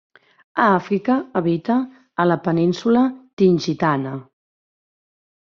A Àfrica habita a la Península Tingitana.